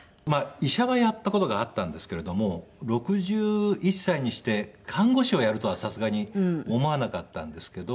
医者はやった事があったんですけれども６１歳にして看護師をやるとはさすがに思わなかったんですけど。